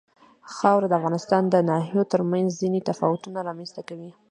خاوره د افغانستان د ناحیو ترمنځ ځینې تفاوتونه رامنځ ته کوي.